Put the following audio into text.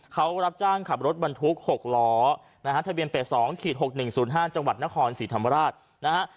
เขารับจ้างขับรถบรรทุก๖ล้อนะฮะทะเบียน๘๒๖๑๐๕จังหวัดนครศรีธรรมราชนะฮะ